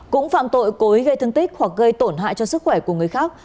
cũng phạm tội cố ý gây thương tích hoặc gây tổn hại cho sức khỏe của người khác